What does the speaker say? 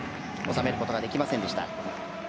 収めることができませんでした。